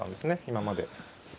今まで。